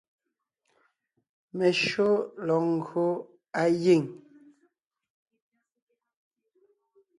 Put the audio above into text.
Meshÿó lɔg ńgÿo á giŋ.